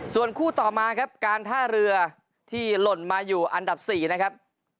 ส่วนคู่ต่อมาครับการท่าเรือที่หล่นมาอยู่อันดับ๔นะครับ